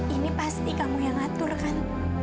ini pasti kamu yang ngatur kan